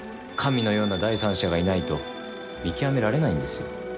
神のような第三者がいないと見極められないんですよ。